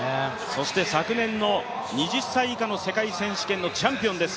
そして昨年の２０歳以下の世界選手権のチャンピオンです。